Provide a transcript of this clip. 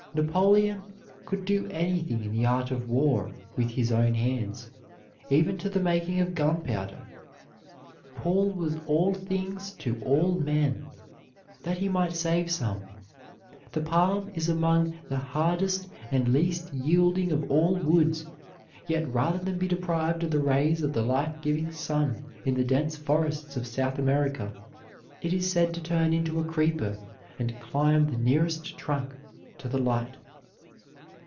Napoleon could do anything in the art of war with his own hands, even to the making of gunpowder. Paul was all things to all men, that he might save some. The palm is among the hardest and least yielding of all woods, yet rather than be deprived of the rays of the life giving sun in the dense forests of South America, it is said to turn into a creeper, and climb the nearest trunk to the light.